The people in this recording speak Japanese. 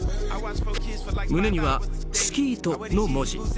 胸には「スキート」の文字。